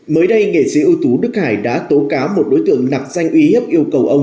mới đây nghệ sĩ ưu tú đức hải đã tố cáo một đối tượng nạc danh uy hiếp yêu cầu ông